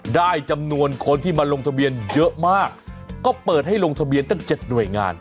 ได้จำนวนคนที่มาลงทะเบียนเยอะมากก็เปิดให้ลงทะเบียนตั้ง๗หน่วยงาน